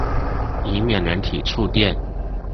以免人體觸電